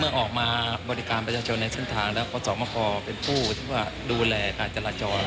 เมื่อออกมาบริการประชาชนในเส้นทางแล้วขอสมครอบครเป็นผู้ที่ดูแลการจราจร